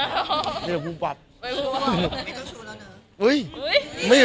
มันเด้งขึ้นมาในฟีด